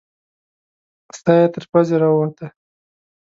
ساه یې تر پزې راووته.